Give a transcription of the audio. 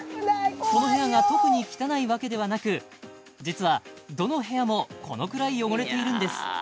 この部屋が特に汚いわけではなく実はどの部屋もこのくらい汚れているんです